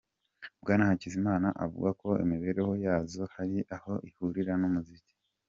Bwana Hakizimana avuga ko imibereho yazo hari aho ihurira n'umuziki.